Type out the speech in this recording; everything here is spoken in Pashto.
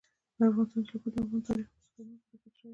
د افغانستان جلکو د افغان تاریخ په کتابونو کې ذکر شوی دي.